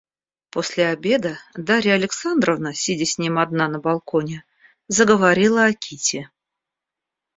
После обеда Дарья Александровна, сидя с ним одна на балконе, заговорила о Кити.